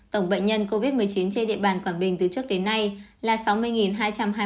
tổng bệnh nhân covid một mươi chín trên địa bàn quảng bình từ trước đến nay là sáu mươi hai trăm hai mươi ca